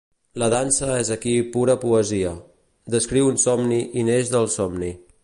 La dansa és aquí pura poesia; descriu un somni i neix del somni.